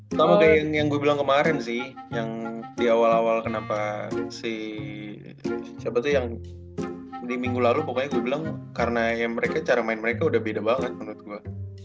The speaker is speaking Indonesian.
pertama kayak yang gue bilang kemarin sih yang di awal awal kenapa si siapa tuh yang di minggu lalu pokoknya gue bilang karena ya mereka cara main mereka udah beda banget menurut gue